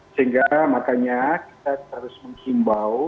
sehingga makanya kita harus menghimbau